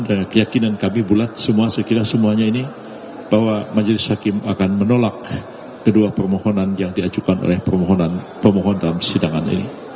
dan keyakinan kami bulat sekilas semuanya ini bahwa majelis hakim akan menolak kedua permohonan yang diajukan oleh permohonan dalam sidangan ini